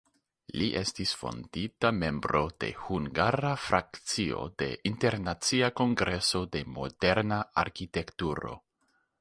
Li estis fondinta membro de hungara frakcio de Internacia Kongreso de Moderna Arkitekturo.